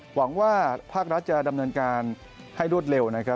หวังว่าภาครัฐจะดำเนินการให้รวดเร็วนะครับ